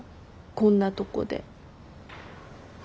こんなとこで。